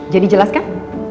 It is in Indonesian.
jadi jelas kan